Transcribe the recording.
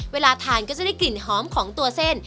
เวลาทานก็จะได้กลิ่นหอมของตัวเส้น